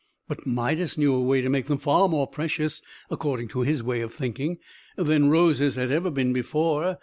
But Midas knew a way to make them far more precious, according to his way of thinking, than roses had ever been before.